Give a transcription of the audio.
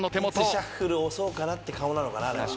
いつシャッフル押そうかなって顔なのかな。